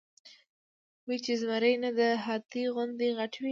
وې ئې چې زمرے نۀ د هاتي غوندې غټ وي ،